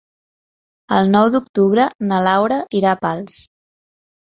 El nou d'octubre na Laura irà a Pals.